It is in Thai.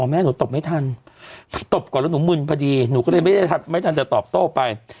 แม่หนูตบไม่ทันตบก่อนแล้วหนูมึนพอดีหนูก็เลยไม่ได้ไม่ทันจะตอบโต้ไป